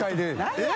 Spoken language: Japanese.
えっ！